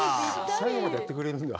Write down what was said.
最後までやってくれるんだ。